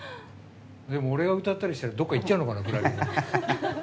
俺が歌ったりしたらどっか行っちゃうのかな、クラゲ。